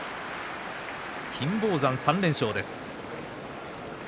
金峰山３連勝です。